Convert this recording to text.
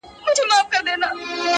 زما په سترگو كي را رسم كړي”